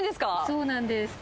そうなんです。